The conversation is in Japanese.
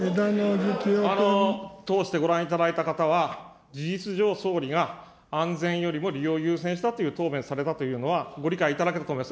通してご覧いただいた方は、事実上、総理が安全よりも利用を優先したという答弁されたというのは、ご理解いただけたと思います。